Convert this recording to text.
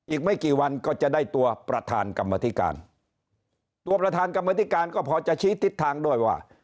อีกไม่กี่วันก็จะได้ตัวประธานกรรมธิการตัวประธานกรรมธิการก็พอจะชี้ทิศทางด้วยว่า